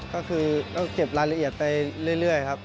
ก็คือต้องเก็บรายละเอียดไปเรื่อยครับ